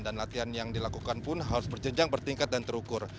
dan latihan yang dilakukan pun harus berjenjang bertingkat dan terukur